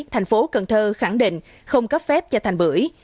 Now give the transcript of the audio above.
thành phố cần thơ khẳng định không cấp phép cho thành bưởi